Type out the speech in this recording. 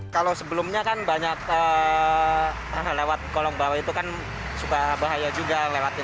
kalau sebelumnya kan banyak lewat kolong bawah itu kan suka bahaya juga lewatin